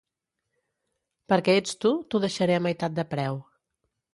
Perquè ets tu, t'ho deixaré a meitat de preu.